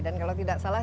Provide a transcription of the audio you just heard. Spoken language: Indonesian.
dan kalau tidak salah